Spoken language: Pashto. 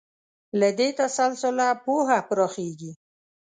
له دې تسلسله پوهه پراخېږي.